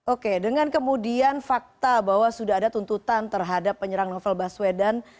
oke dengan kemudian fakta bahwa sudah ada tuntutan terhadap penyerang novel baswedan